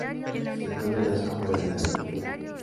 Se encuentra en las afueras de la localidad.